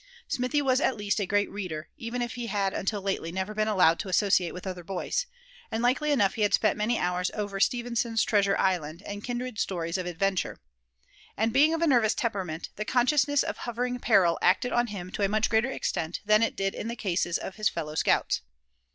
Smithy was at least a great reader, even if he had until lately never been allowed to associate with other boys; and likely enough he had spent many hours over Stevenson's "Treasure Island" and kindred stories of adventure. And being of a nervous temperament, the consciousness of hovering peril acted on him to a much greater extent than it did in the cases of his fellow scouts.